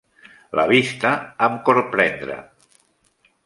La vista em corprendre.